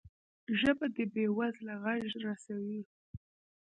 ژبه د بې وزله غږ رسوي